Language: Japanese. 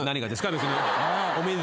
別に。